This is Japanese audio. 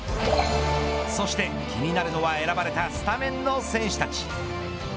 そして気になるのは選ばれたスタメンの選手たち。